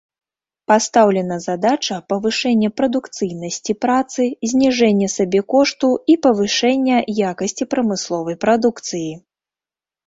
Пастаўлена задача павышэння прадукцыйнасці працы, зніжэння сабекошту і павышэння якасці прамысловай прадукцыі.